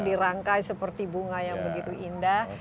dirangkai seperti bunga yang begitu indah